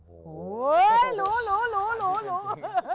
หลู